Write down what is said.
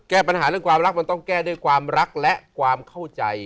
แก้ปัญหาเรื่องความรักมันต้องแก้ด้วยความรักและความเข้าใจ